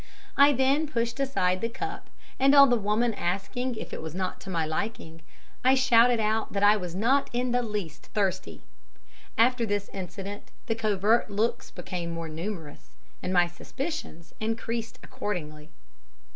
I then pushed aside the cup, and on the woman asking if it was not to my liking, I shouted out that I was not in the least thirsty. After this incident the covert looks became more numerous, and my suspicions increased accordingly.